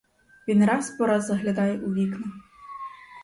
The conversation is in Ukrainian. Він раз по раз заглядає у вікна.